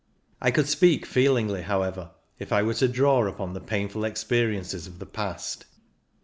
I could speak feelingly, however, if I were to draw upon the pain ful experiences of the past.